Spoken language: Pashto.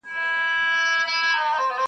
دا کيسه د انسانيت د سقوط ژور انځور دی,